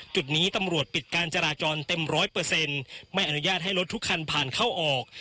จุดนี้ตำรวจปิดการจราจรเต็ม๑๐๐ไม่อนุญาตให้รถทุกคันผ่านเข้าออก